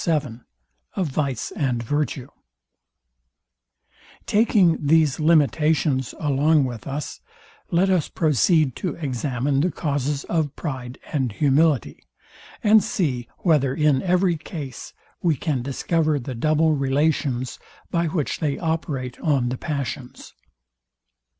SECT. VII OF VICE AND VIRTUE Taking these limitations along with us, let us proceed to examine the causes of pride and humility; and see, whether in every case we can discover the double relations, by which they operate on the passions.